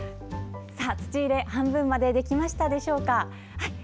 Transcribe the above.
土入れは半分までできましたでしょうか。